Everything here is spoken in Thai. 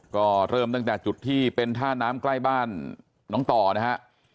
ก็เริ่มตั้งแต่จุดที่เป็นท่าน้ำใกล้บ้านน้องต่อนะฮะ